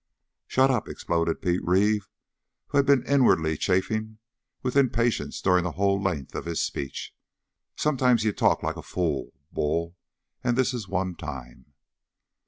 "Shut up!" exploded Pete Reeve, who had been inwardly chafing with impatience during the whole length of this speech. "Sometimes you talk like a fool, Bull, and this is one time!"